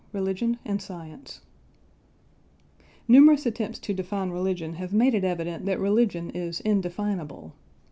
RELIGION AND SCIENCE Numerous attempts to define religion have made it evident that religion is indefinable.